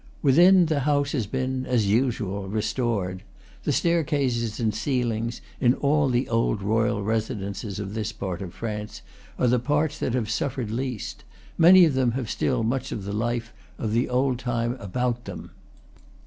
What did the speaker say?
Within, the house has been, as usual, restored. The staircases and ceilings, in all the old royal residences of this part of France, are the parts that have suffered least; many of them have still much of the life of the old time about them.